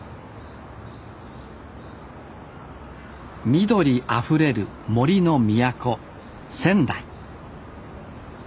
緑あふれる杜の都仙台。